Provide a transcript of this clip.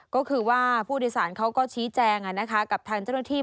ก็คือว่าผู้โดยสารเขาก็ชี้แจงกับทางเจ้าหน้าที่